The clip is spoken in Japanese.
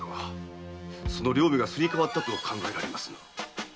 その両名がすり替わったと考えられます。